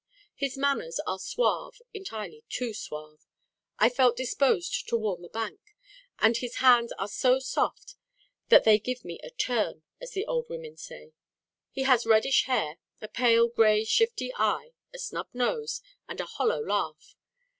His manners are suave, entirely too suave: I felt disposed to warn the bank; and his hands are so soft that they give me a 'turn' as the old women say. He has reddish hair, a pale grey shifty eye, a snub nose, and a hollow laugh.